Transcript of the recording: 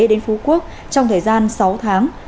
đến phú quốc trong thời gian sáu tháng